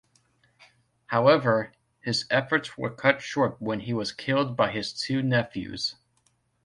However, his efforts were cut short when he was killed by his two nephews.